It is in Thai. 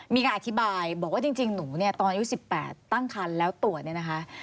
มีงานอธิบายบอกว่าจริงหนูตอนอายุ๑๘ตั้งครรภ์แล้วตรวจ